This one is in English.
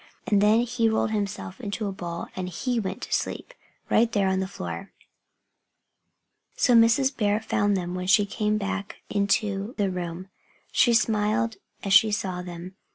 And then he rolled himself into a ball and he went to sleep, right there on the floor. So Mrs. Bear found them when she came back into the room. She smiled as she saw them.